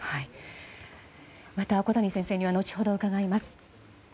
また小谷先生には後ほど伺います。